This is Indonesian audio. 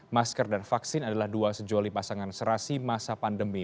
masker dan vaksin adalah dua sejoli pasangan serasi masa pandemi